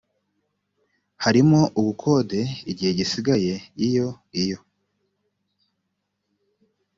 harimo ubukode igihe gisigaye iyo iyo